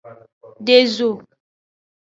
De zo.